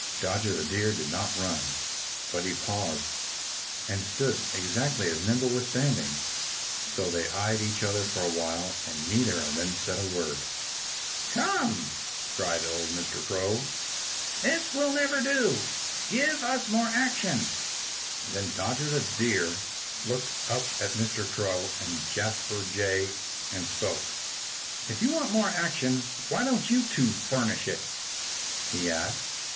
Dodger the Deer did not run. But he paused and stood exactly as Nimble was standing. So they eyed each other for a while. And neither of them said a word. "Come!" cried old Mr. Crow. "This will never do. Give us more action!" And then Dodger the Deer looked up at Mr. Crow and Jasper Jay and spoke. "If you want more action why don't you two furnish it?" he asked.